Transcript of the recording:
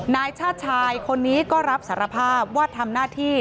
นายชาติชายคนนี้ก็รับสารภาพว่าทำหน้าที่